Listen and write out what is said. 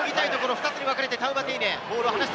２つにわかれてタウマテイネ。